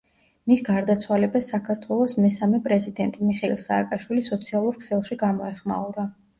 მის გარდაცვალებას საქართველოს მესამე პრეზიდენტი მიხეილ სააკაშვილი სოციალურ ქსელში გამოეხმაურა.